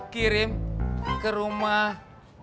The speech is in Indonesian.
kirim ke rumah